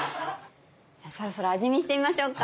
じゃあそろそろ味見してみましょうか。